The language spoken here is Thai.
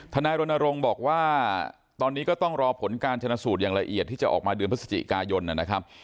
นายรณรงค์บอกว่าตอนนี้ก็ต้องรอผลการชนะสูตรอย่างละเอียดที่จะออกมาเดือนพฤศจิกายนนะครับ